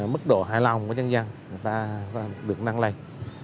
mức độ hài lòng của dân dân được năng lây